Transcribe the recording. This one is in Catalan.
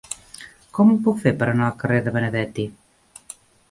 Com ho puc fer per anar al carrer de Benedetti?